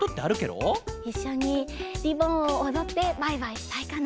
いっしょにリボンをおどってバイバイしたいかな。